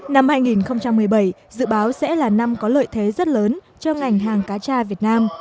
năm hai nghìn một mươi bảy dự báo sẽ là năm có lợi thế rất lớn cho ngành hàng cá tra việt nam